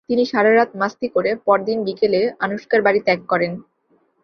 তিনি সারা রাত মাস্তি করে পরদিন বিকেলে আনুশকার বাড়ি ত্যাগ করেন।